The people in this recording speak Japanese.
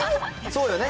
そうよね、